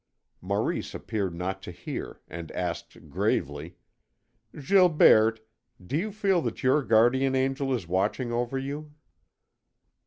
Maurice appeared not to hear, and asked gravely: "Gilberte, do you feel that your guardian angel is watching over you?"